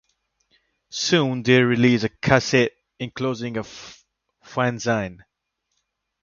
Soon they release a cassette enclosing a Fanzine.